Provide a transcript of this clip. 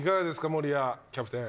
守屋キャプテン。